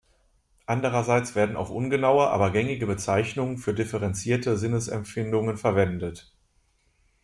Andererseits werden auch ungenaue, aber gängige Bezeichnungen für differenzierte Sinnesempfindungen verwendet.